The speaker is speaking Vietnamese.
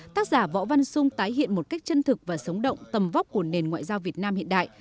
tác giả võ văn sung tái hiện một cách chân thực và sống động tầm vóc của nền ngoại giao việt nam hiện đại